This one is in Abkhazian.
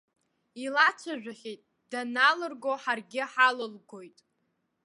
Илацәажәахьеит, даналырго ҳаргьы ҳалылгоит.